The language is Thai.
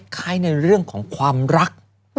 คล้ายในเรื่องของความรัก